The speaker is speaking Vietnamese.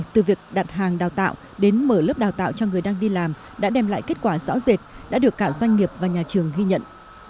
từ việc đặt hàng đào tạo đến mở lớp đào tạo cho người đang đi làm đã đem lại kết quả rõ rệt đã được cả doanh nghiệp và nhà trường ghi nhận